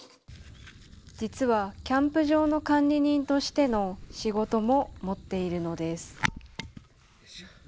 実はキャンプ場の管理人としての仕事も持っているのです。